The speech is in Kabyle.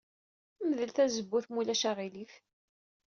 Mdel tazewwut ma ulac aɣilif.